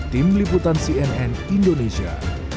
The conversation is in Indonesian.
tim liputan cnn indonesia